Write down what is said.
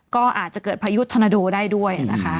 ก็อาจจะเกิดไถอยุตอร์โทนาโดได้ด้วยนะคะ